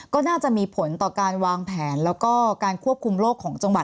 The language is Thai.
ก็น่าจะมีผลต่อการวางแผนแล้วก็การควบคุมโรคของจังหวัด